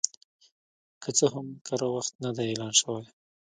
که څه هم کره وخت نه دی اعلان شوی